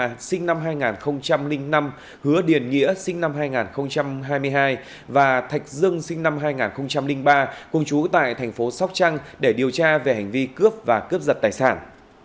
trần nhật sinh năm hai nghìn năm hứa điền nghĩa sinh năm hai nghìn hai mươi hai và thạch dương sinh năm hai nghìn ba cùng chú tại thành phố sóc trăng để điều tra về hành vi cướp và cướp giật tài sản